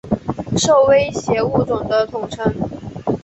受威胁物种的统称。